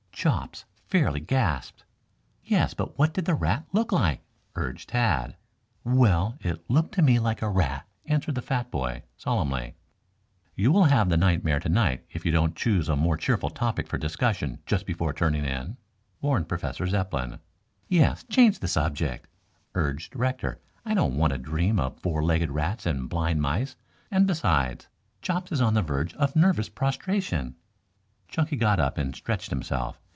Chops fairly gasped. "Yes, but what did the rat look like?" urged Tad. "Well, it looked to me like a rat," answered the fat boy solemnly. "You will all have the nightmare tonight if you don't choose a more cheerful topic for discussion just before turning in," warned Professor Zepplin. "Yes, change the subject," urged Rector. "I don't want to dream of four legged rats and blind mice, and besides, Chops is on the verge of nervous prostration." Chunky got up and stretched himself.